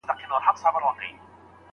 هغې له خرما څخه خوراک ونکړ.